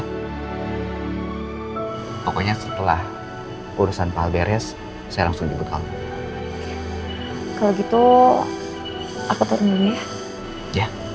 pokoknya setelah urusan pahal beres saya langsung jemput kamu kalau gitu aku tersenyum ya ya